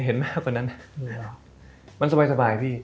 เห็นมากกว่านั้นมันสบายพี่